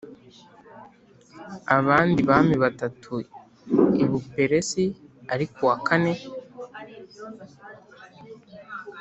abandi bami batatu i Buperesi ariko uwa kane